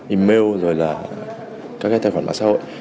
email rồi là các cái tài khoản mạng xã hội